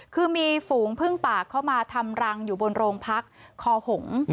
คือมีฝูงพึ่งป่าเข้ามาทำรังอยู่บนโรงพักคอหง